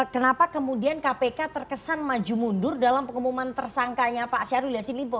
kenapa kemudian kpk terkesan maju mundur dalam pengumuman tersangkanya pak syahrul yassin limpo